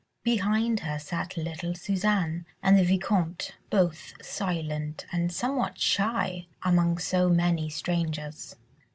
Behind her sat little Suzanne and the Vicomte, both silent and somewhat shy among so many strangers.